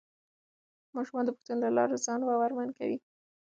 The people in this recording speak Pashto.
ماشومان د پوښتنو له لارې ځان باورمن کوي